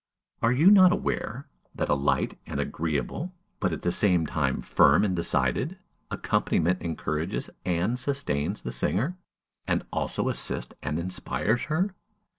Are you not aware that a light and agreeable, but at the same time firm and decided, accompaniment encourages and sustains the singer, and also assists and inspires her?